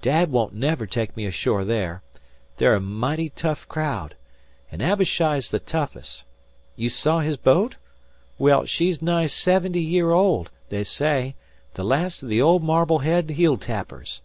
"Dad won't never take me ashore there. They're a mighty tough crowd an' Abishai's the toughest. You saw his boat? Well, she's nigh seventy year old, they say; the last o' the old Marblehead heel tappers.